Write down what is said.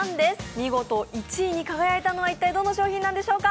見事１位に輝いたのは一体どの商品なんでしょうか。